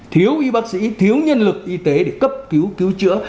thiếu y bác sĩ thiếu nhân lực y tế để cấp cứu cứu chữa